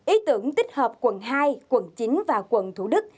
ý tưởng tích hợp quận hai quận chín và quận thủ đức